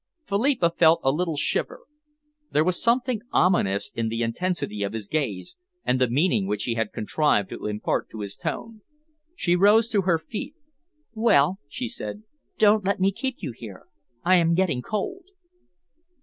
Philippa felt a little shiver. There was something ominous in the intensity of his gaze and the meaning which he had contrived to impart to his tone. She rose to her feet. "Well," she said, "don't let me keep you here. I am getting cold."